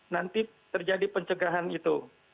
nanti terjadi pencegahan itu